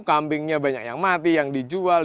kambingnya banyak yang mati yang dijual